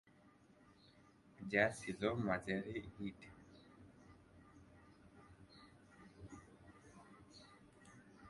যা ছিল মাঝারি হিট।